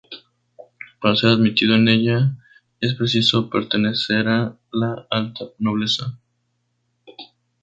Para ser admitido en ella es preciso pertenecerá la alta nobleza.